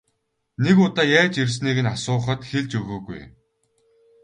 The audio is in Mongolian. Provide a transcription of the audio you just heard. Нэг удаа яаж ирснийг нь асуухад хэлж өгөөгүй.